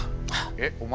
えっお前